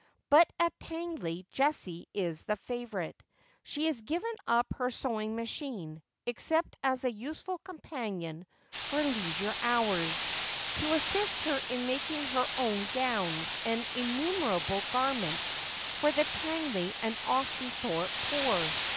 But at Tangley Jessie is the favourite. She has given up her sewing machine, except as a useful companion for leisuie hours, to assist her in making her own gowns, and innumerable garments for the Tangley and Austhorpe poor.